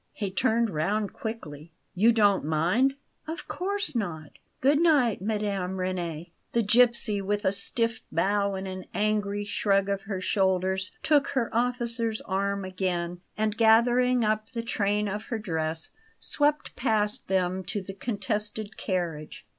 He turned round quickly. "You don't mind?" "Of course not. Good night, Mme. Reni!" The gipsy, with a stiff bow and an angry shrug of her shoulders, took her officer's arm again, and, gathering up the train of her dress, swept past them to the contested carriage.